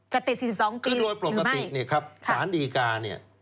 จะติด๔๒ปีหรือไม่คือโดยปรบติสารดีกาเนี่ย